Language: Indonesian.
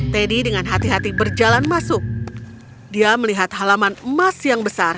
teddy dengan hati hati berjalan masuk dia melihat halaman emas yang besar